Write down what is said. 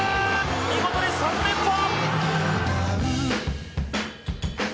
見事に３連覇！